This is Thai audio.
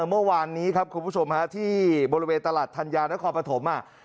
เมื่อวานนี้ครับคุณผู้ชมฮะที่บริเวณตลาดธัญญานครปฐม